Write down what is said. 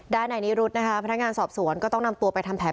นายนิรุธนะคะพนักงานสอบสวนก็ต้องนำตัวไปทำแผน